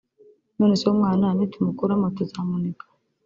“None se uwo mwana nitumukuramo tuzamuniga